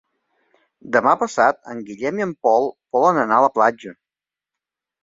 Demà passat en Guillem i en Pol volen anar a la platja.